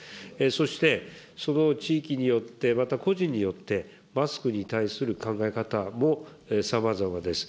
そして、その地域によって、また個人によって、マスクに対する考え方もさまざまです。